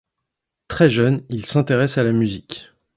Très jeune, il s'intéresse à la musique.